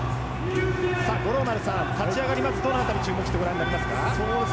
五郎丸さん、立ち上がりはどの辺りに注目してご覧になりますか。